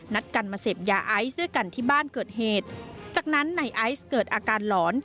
กันมาเสพยาไอซ์ด้วยกันที่บ้านเกิดเหตุจากนั้นในไอซ์เกิดอาการหลอน